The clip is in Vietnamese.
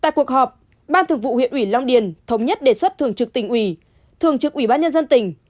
tại cuộc họp ban thường vụ huyện ủy long điền thống nhất đề xuất thường trực tỉnh ủy thường trực ủy ban nhân dân tỉnh